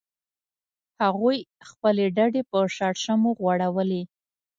هغوی خپلې ډډې په شړشمو غوړولې